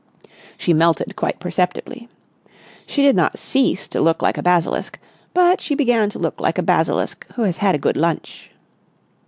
She melted quite perceptibly. She did not cease to look like a basilisk, but she began to look like a basilisk who has had a good lunch.